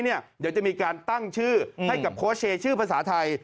เดี๋ยวจะมีการตั้งชื่อให้กับโค้ชเชย์ชื่อภาษาไทย